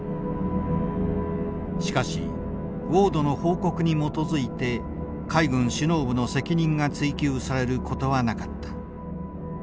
しかしウォードの報告に基づいて海軍首脳部の責任が追及されることはなかった。